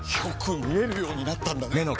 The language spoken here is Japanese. よく見えるようになったんだね！